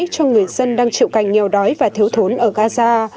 cho người dân đang chịu cành nghèo đói và thiếu thốn ở gaza